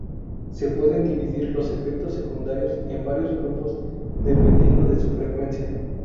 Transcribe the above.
Se pueden dividir los efectos secundarios en varios grupos, dependiendo de su frecuencia.